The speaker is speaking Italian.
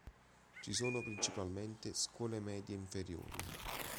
Ci sono principalmente scuole medie inferiori.